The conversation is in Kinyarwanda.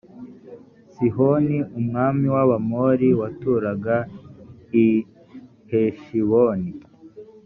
sihoni umwami w abamori waturaga i heshiboni